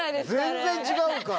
全然違うから。